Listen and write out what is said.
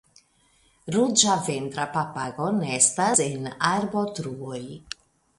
Ruĝaventra papago nestas en arbotruoj.